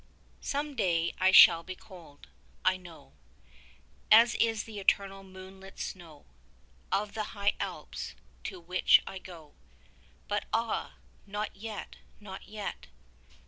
Some day I shall be cold, I know, As is the eternal moon lit snow Of the high Alps, to which I go But ah, not yet! not yet!